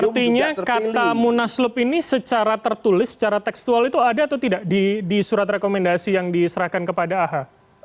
artinya kata munaslup ini secara tertulis secara tekstual itu ada atau tidak di surat rekomendasi yang diserahkan kepada aha